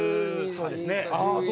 そうです。